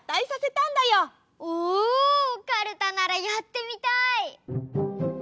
おおカルタならやってみたい！